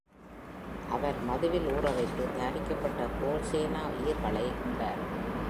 அவர் மதுவில் ஊறவைத்து தயாரிக்கப்பட்ட போல்சேனா ஈல்களை உண்டார்.